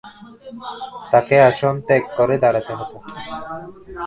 তাঁকে আসন ত্যাগ করে দাঁড়াতে হত।